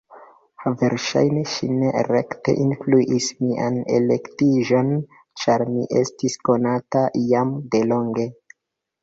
Verŝajne ĝi ne rekte influis mian elektiĝon, ĉar mi estis konata jam de longe.